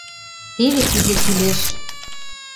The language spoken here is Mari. Теве кузе кӱлеш!..